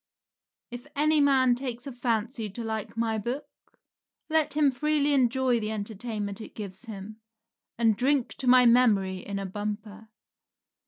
If any man takes a fancy to like my book, let him freely enjoy the entertainment it gives him, and drink to my memory in a bumper.